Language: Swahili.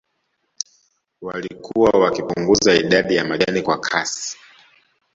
Walikuwa wakipunguza idadi ya majani kwa kasi